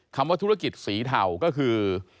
คำว่าธุรกิจสีเทาก็คือ